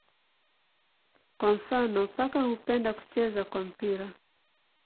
Kwa mfano paka hupenda kucheza kwa mpira.